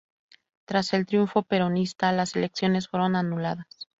Tras el triunfo peronista, las elecciones fueron anuladas.